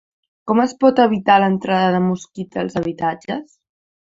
Com es pot evitar l’entrada de mosquits als habitatges?